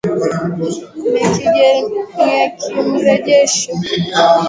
ni ya kumrejesha waziri mkuu franois fillon kwenye nafasi yake licha ya lawama nyingi